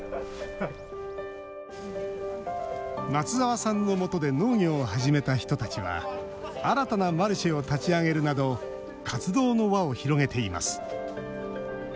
松澤さんのもとで農業を始めた人たちは新たなマルシェを立ち上げるなど活動の輪を広げています。